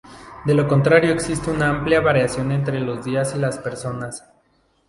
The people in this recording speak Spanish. De lo contrario existe una amplia variación entre los días y las personas.